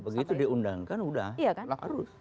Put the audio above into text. begitu diundangkan sudah